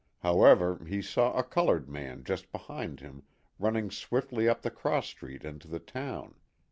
How ever he saw a colored man just behind him running swiftly up the cross street into the town.